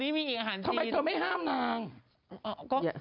ลีน่าจังลีน่าจังลีน่าจังลีน่าจังลีน่าจังลีน่าจัง